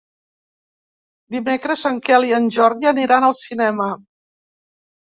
Dimecres en Quel i en Jordi aniran al cinema.